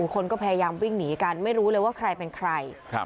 คนก็พยายามวิ่งหนีกันไม่รู้เลยว่าใครเป็นใคร